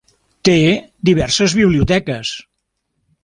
Té diverses biblioteques.